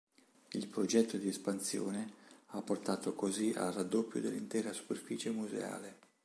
Il progetto di espansione ha portato così al raddoppio dell'intera superficie museale.